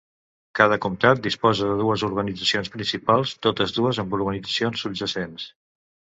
Cada comtat disposa de dues organitzacions principals, totes dues amb organitzacions subjacents.